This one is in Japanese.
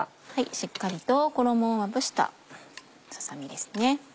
しっかりと衣をまぶしたささ身ですね。